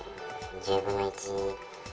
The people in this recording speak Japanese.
１０分の１。